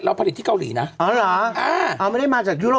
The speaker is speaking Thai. แล้วที่เราได้ม